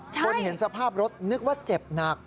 คนเห็นสภาพรถนึกว่าเจ็บหนัก